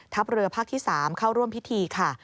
เรือภาคที่๓เข้าร่วมพิธีค่ะ